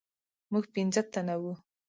موږ پنځه تنه وو.